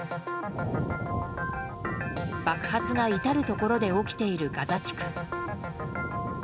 爆発が至るところで起きているガザ地区。